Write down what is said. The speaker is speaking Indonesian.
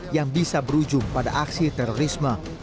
yang bisa berujung pada aksi terorisme